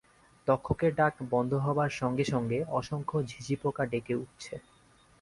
তক্ষকের ডাক বন্ধ হবার সঙ্গে-সঙ্গে অসংখ্য ঝিঝিপোকা ডেকে উঠছে।